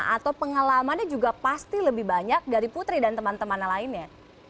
atau pengalamannya juga pasti lebih banyak dari putri dan teman teman lainnya